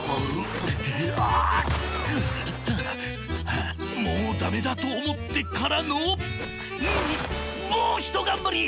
はあもうダメだとおもってからのもうひとがんばり！